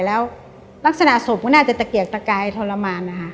แล้วลักษณะศพก็น่าจะแตกเกียรตะไกรทรมาน